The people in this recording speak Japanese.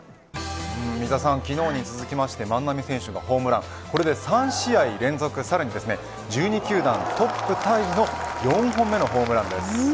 昨日に続きまして万波選手のホームランこれで３試合連続、さらに１２球団トップタイの４本目のホームランです。